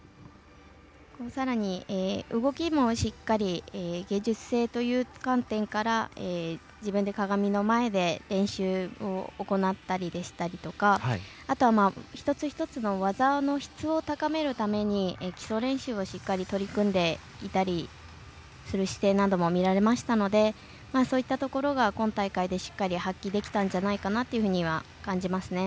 さらに動きもしっかり芸術性という観点から自分で鏡の前で練習を行ったりですとかあとは、一つ一つの技の質を高めるために基礎練習をしっかり取り組んでいたりする姿勢なども見られましたのでそういったところが今大会でしっかり発揮できたんじゃないかなというふうには感じますね。